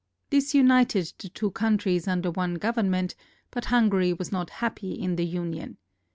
This united the two countries under one government; but Hungary was not happy in the union.